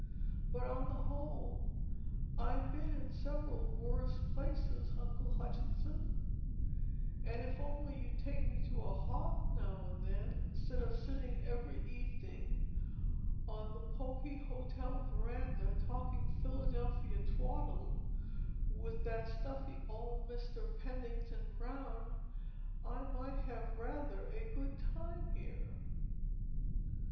But, on the whole, I've been in several worse places, Uncle Hutchinson; and if only you'd take me to a hop now and then, instead of sitting every evening on the pokey hotel veranda talking Philadelphia twaddle with that stuffy old Mr. Pennington Brown, I might have rather a good time here."